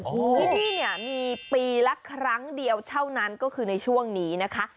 ที่นี่เนี่ยมีปีละครั้งเดียวเท่านั้นก็คือในช่วงนี้นะคะ